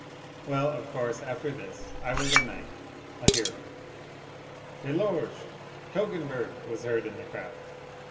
Well, of course, after this I was a knight, a hero. " De Lorge ! Toggenburg !" was heard in the crowd.